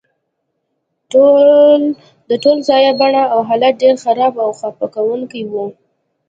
د ټول ځای بڼه او حالت ډیر خراب او خفه کونکی و